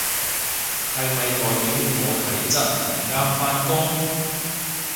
係咪代表我體質唔啱返工？